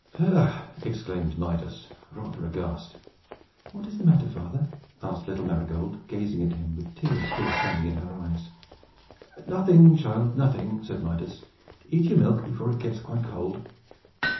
"Ha!" exclaimed Midas, rather aghast. "What is the matter, father?" asked little Marygold, gazing at him, with the tears still standing in her eyes. "Nothing, child, nothing!" said Midas. "Eat your milk, before it gets quite cold."